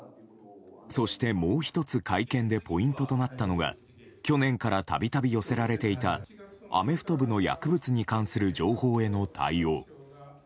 そして、もう１つ会見でポイントとなったのが去年から度々、寄せられていたアメフト部の薬物に関する情報への対応。